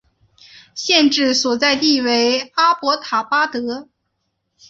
县治所在地为阿伯塔巴德。